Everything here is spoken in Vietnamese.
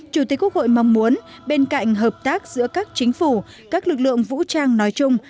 chủ tịch quốc hội mong muốn bên cạnh hợp tác giữa các chính phủ các lực lượng vũ trang nói chung